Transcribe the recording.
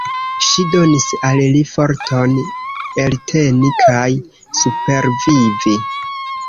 Ŝi donis al li forton elteni kaj supervivi.